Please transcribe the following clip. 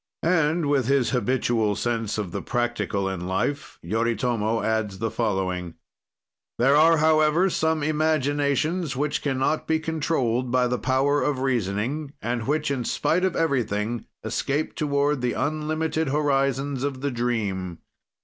And, with his habitual sense of the practical in life, Yoritomo adds the following: "There are, however, some imaginations which can not be controlled by the power of reasoning, and which, in spite of everything, escape toward the unlimited horizons of the dream.